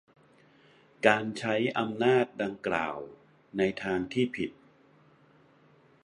การใช้อำนาจดังกล่าวในทางที่ผิด